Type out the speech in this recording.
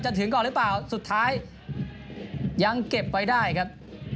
ถึงก่อนหรือเปล่าสุดท้ายยังเก็บไว้ได้ครับ